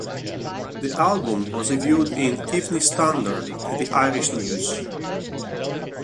The album was reviewed in "Evening Standard" and "The Irish News".